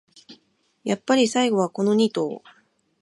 やっぱり最後はこのニ頭